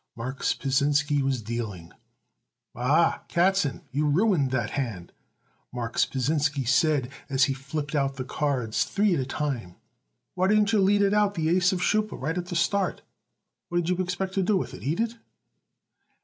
Marks Pasinsky was dealing. "A ah, Katzen, you ruined that hand," Marks Pasinsky said as he flipped out the cards three at a time. "Why didn't you lead it out the ace of Schüppe right at the start? What did you expect to do with it? Eat it?"